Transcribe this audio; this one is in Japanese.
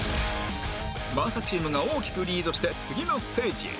真麻チームが大きくリードして次のステージへ